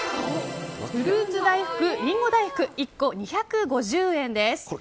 ふるーつ大福りんご大福、１個２５０円です。